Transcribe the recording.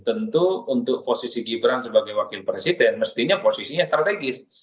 tentu untuk posisi gibran sebagai wakil presiden mestinya posisinya strategis